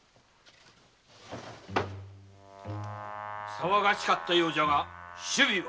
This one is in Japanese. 騒がしかったようじゃが首尾は？